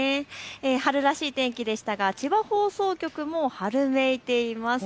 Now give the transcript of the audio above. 春らしい天気でしたが千葉放送局も春めいています。